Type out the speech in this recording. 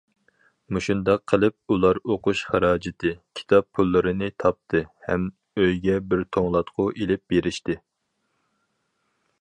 مۇشۇنداق قىلىپ، ئۇلار ئوقۇش خىراجىتى، كىتاب پۇللىرىنى تاپتى ھەم ئۆيگە بىر توڭلاتقۇ ئېلىپ بېرىشتى.